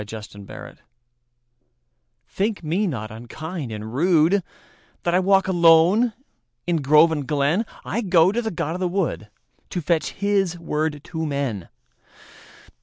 The Apology THINK me not unkind and rudeThat I walk alone in grove and glen;I go to the god of the woodTo fetch his word to men.